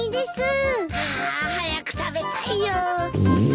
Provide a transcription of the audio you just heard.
ああ早く食べたいよ。